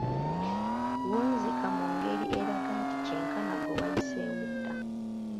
Wunzika mu ngeri eraga nti kyenkana ggwe wayiseewo dda!